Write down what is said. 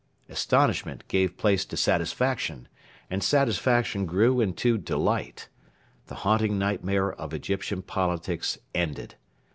Astonishment gave place to satisfaction, and satisfaction grew into delight. The haunting nightmare of Egyptian politics ended.